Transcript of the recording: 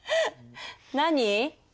何？